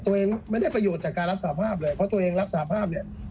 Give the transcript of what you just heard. ตัวเองไม่ได้ประโยชน์จากการรับสาภาพเลยเพราะตัวเองรับสาภาพเนี่ย